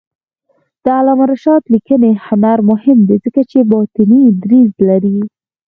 د علامه رشاد لیکنی هنر مهم دی ځکه چې باطني دریځ لري.